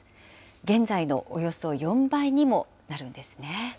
現在のおよそ４倍にもなるんです